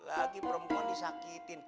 lagi perempuan disakitin